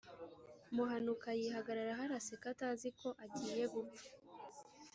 Muhanuka yihagararaho, arraseseka atazi ko agiye gupfa